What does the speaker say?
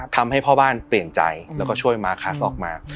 ทำให้พ่อบ้านเปลี่ยนใจแล้วก็ช่วยมาขาซอกมา